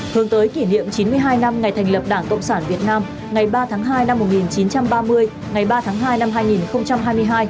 hướng tới kỷ niệm chín mươi hai năm ngày thành lập đảng cộng sản việt nam ngày ba tháng hai năm một nghìn chín trăm ba mươi ngày ba tháng hai năm hai nghìn hai mươi hai